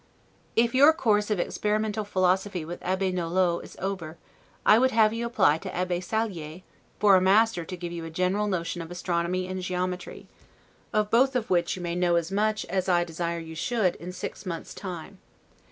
If your course of experimental philosophy with Abbe Nolot is over, I would have you apply to Abbe Sallier, for a master to give you a general notion of astronomy and geometry; of both of which you may know as much, as I desire you should, in six months' time.